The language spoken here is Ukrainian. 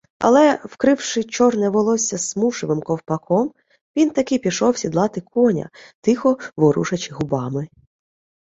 Але, вкривши чорне волосся смушевим ковпаком, він таки пішов сідлати коня, тихо ворушачи губами.